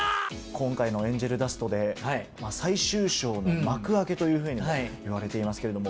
今回の天使の涙で、最終章の幕開けというふうにもいわれていますけれども。